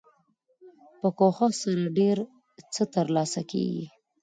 په کوښښ سره ډیر څه تر لاسه کیږي.